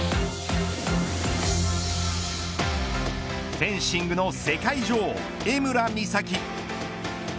フェンシングの世界女王江村美咲。